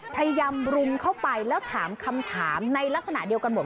พยายามรุมเข้าไปแล้วถามคำถามในลักษณะเดียวกันหมด